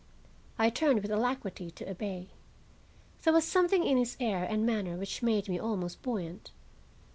I turned with alacrity to obey. There was something in his air and manner which made me almost buoyant.